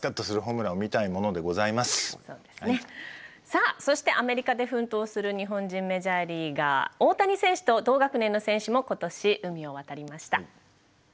さあそしてアメリカで奮闘する日本人メジャーリーガー大谷選手と同学年の選手も今年海を渡りました。